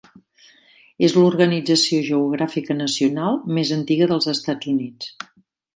És l'organització geogràfica nacional més antiga dels Estats Units.